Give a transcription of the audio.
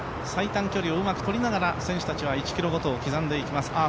最短距離をうまく取りながら選手たちは１ｋｍごと、刻んでいます。